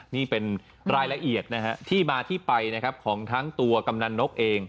นี่เป็นรายละเอียดที่มาที่ไปของทั้งตัวกำนันนกเอง